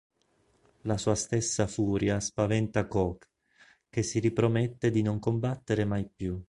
La sua stessa furia spaventa Coke, che si ripromette di non combattere mai più.